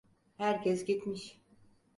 Herkes gitmiş.